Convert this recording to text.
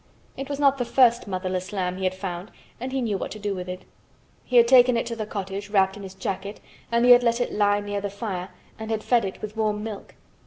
It was not the first motherless lamb he had found and he knew what to do with it. He had taken it to the cottage wrapped in his jacket and he had let it lie near the fire and had fed it with warm milk.